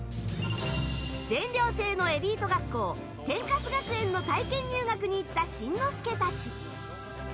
全寮制のエリート学校天カス学園の体験入学に行ったしんのすけたち。